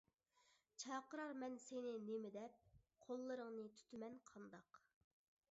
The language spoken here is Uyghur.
چاقىرارمەن سېنى نېمە دەپ، قوللىرىڭنى تۇتىمەن قانداق.